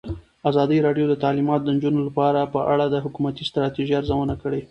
ازادي راډیو د تعلیمات د نجونو لپاره په اړه د حکومتي ستراتیژۍ ارزونه کړې.